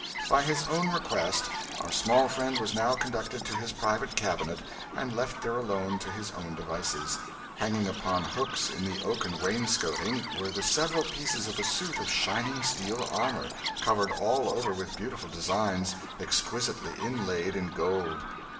By his own request our small friend was now conducted to his private cabinet, and left there alone to his own devices. Hanging upon hooks in the oaken wainscoting were the several pieces of a suit of shining steel armour, covered all over with beautiful designs exquisitely inlaid in gold.